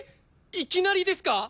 いきなりですか！？